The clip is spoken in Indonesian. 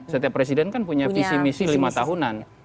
setiap presiden kan punya visi misi lima tahunan